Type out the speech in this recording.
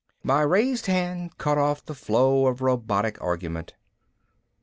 My raised hand cut off the flow of robotic argument.